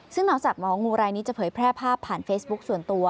ซึ่งนอกจากหมองูรายนี้จะเผยแพร่ภาพผ่านเฟซบุ๊คส่วนตัว